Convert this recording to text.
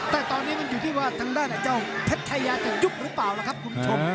แต่ตอนนี้มันอยู่ที่ว่าทางด้านเจ้าเพชรชายาจะยุบหรือเปล่าล่ะครับคุณผู้ชม